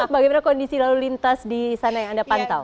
bagaimana kondisi lalu lintas di sana yang anda pantau